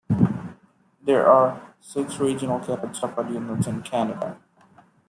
There are six Regional Cadet Support Units in Canada.